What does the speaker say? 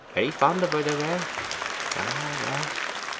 Very fond of her, they were. Ah, well!